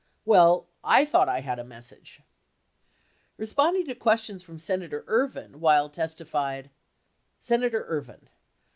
Well, I thought I had a message . 69 Responding to questions from Senator Ervin, Wild testified: Senator Ervin.